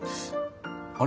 「あれ？